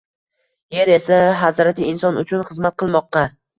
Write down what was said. Yer esa hazrati Inson uchun xizmat qilmoqqa